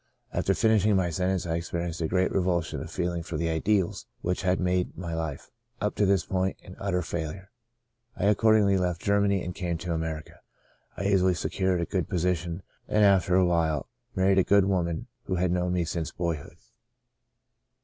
After finish ing my sentence, I experienced a great re vulsion of feeling for the ideals which had made my life, up to this point, an utter failure. I accordingly left Germany and l88 Saved to the Uttermost came to America. I easily secured a good position, and, after a little while, married a good woman who had known me since boy hood.